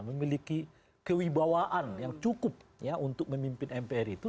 memiliki kewibawaan yang cukup ya untuk memimpin mpr itu